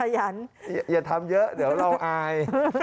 อย่าทำเยอะเดี๋ยวเราอาย